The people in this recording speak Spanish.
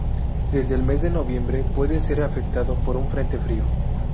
Desde el mes de noviembre puede ser afectado por un frente frío.